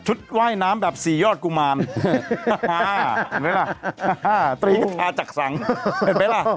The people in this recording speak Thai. ชุดว่ายน้ำแบบสี่ยอดกุมารตีกระทาจักษังเห็นไหมล่ะ